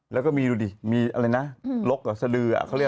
แล้วก็มีดูดิล็กสดุ